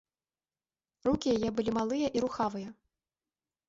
Рукі яе былі малыя і рухавыя.